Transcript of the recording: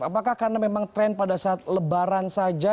apakah karena memang tren pada saat lebaran saja